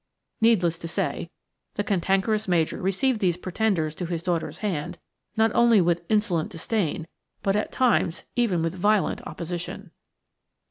Needless to say, the cantankerous Major received these pretenders to his daughter's hand not only with insolent disdain, but at times even with violent opposition.